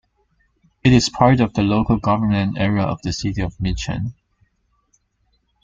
It is part of the local government area of the City of Mitcham.